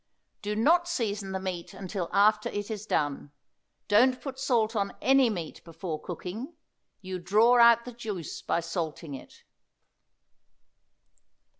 Do not season the meat until after it is done; don't put salt on any meat before cooking; you draw out the juice by salting it.